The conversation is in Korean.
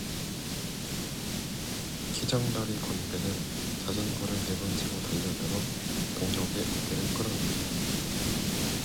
키장다리 건배는 자전거를 내던지고 달려들어 동혁의 어깨를 끌어안는다.